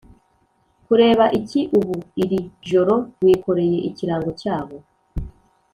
kubera iki ubu, iri joro, wikoreye ikirango cyabo.